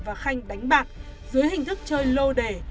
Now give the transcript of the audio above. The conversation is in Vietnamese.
và khanh đánh bạc dưới hình thức chơi lô đề